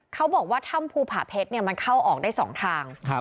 เขาบอกว่าถ้ำภูผาเพชรมันเข้าออกได้๒ทาง